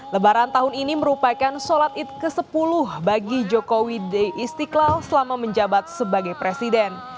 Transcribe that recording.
lebaran tahun ini merupakan sholat id ke sepuluh bagi jokowi di istiqlal selama menjabat sebagai presiden